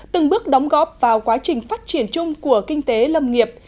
từng bước đóng góp vào quá trình phát triển chung của kinh tế lâm nghiệp